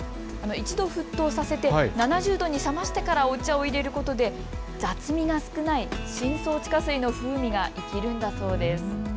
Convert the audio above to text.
一度、沸騰させて７０度に冷ましてからお茶を入れることで雑味の少ない、深層地下水の風味が生きるんだそうです。